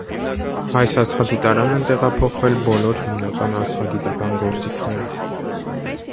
Այս աստղադիտարան են տեղափոխվել բոլոր հիմնական աստղագիտական գործիքները։